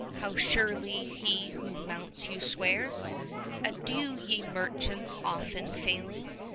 5 (How surely he who mounts you swears!) Adieu, ye merchants often failing!